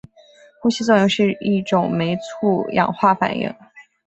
呼吸作用是一种酶促氧化反应。